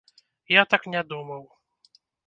Я так не думаў.